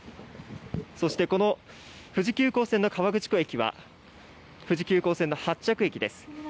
そしてこの富士急行線の河口湖駅は、富士急行線の発着駅です。